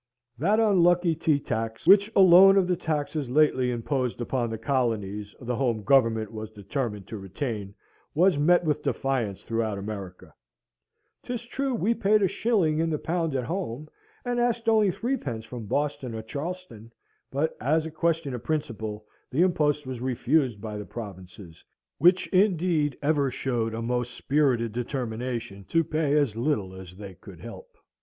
That unlucky tea tax, which alone of the taxes lately imposed upon the colonies, the home Government was determined to retain, was met with defiance throughout America. 'Tis true we paid a shilling in the pound at home, and asked only threepence from Boston or Charleston; but as a question of principle, the impost was refused by the provinces, which indeed ever showed a most spirited determination to pay as little as they could help.